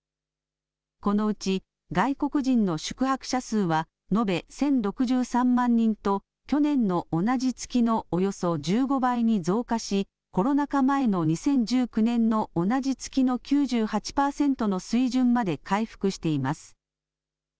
このうち外国人の宿泊者数は延べ１０６３万人と去年の同じ月のおよそ１５倍に増加しコロナ禍前の２０１９年の同じ月の９８パーセントの水準まで回復しています。